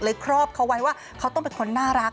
ครอบเขาไว้ว่าเขาต้องเป็นคนน่ารัก